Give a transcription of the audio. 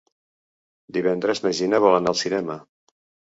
Divendres na Gina vol anar al cinema.